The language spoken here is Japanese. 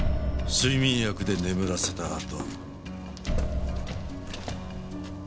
睡眠薬で眠らせたあと。